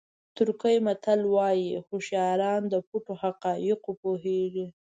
ترکي متل وایي هوښیاران د پټو حقایقو پوهېږي.